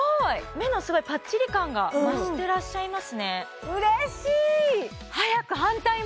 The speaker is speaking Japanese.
目のすごいパッチリ感が増してらっしゃいますね嬉しい